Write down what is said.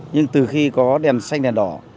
nhưng từ khi có đèn xanh đèn đỏ